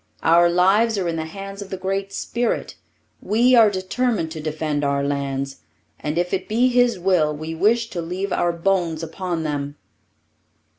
Our lives are in the hands of the Great Spirit. We are determined to defend our lands, and if it be His will, we wish to leave our bones upon them.